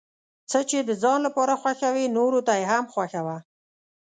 څه چې د ځان لپاره خوښوې نورو ته یې هم خوښوه.